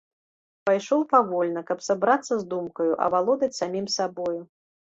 Пайшоў павольна, каб сабрацца з думкаю, авалодаць самім сабою.